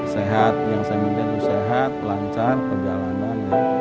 sehat yang saya minta itu sehat lancar berjalanan